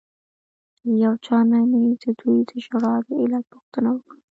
له یو چا نه مې ددوی د ژړا د علت پوښتنه وکړه.